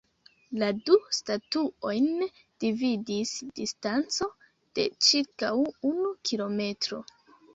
La du statuojn dividis distanco de ĉirkaŭ unu kilometro.